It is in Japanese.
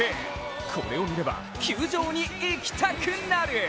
これを見れば、球場に行きたくなる。